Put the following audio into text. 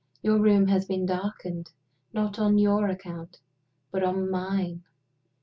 Your room has been darkened not on your account, but on mine."